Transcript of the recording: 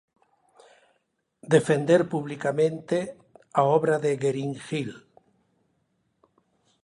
Defender publicamente a obra de Guerín Hill.